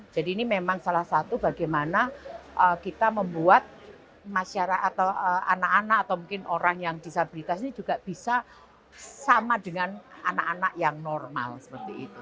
jadi ini memang salah satu bagaimana kita membuat masyarakat atau anak anak atau mungkin orang yang disabilitas ini juga bisa sama dengan anak anak yang normal seperti itu